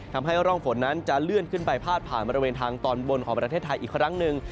ทำให้ร่องฝนนั้นจะเลื่อนขึ้นไปพาดผ่านบริเวณทางตอนบนของประเทศไทยอีกครั้งหนึ่ง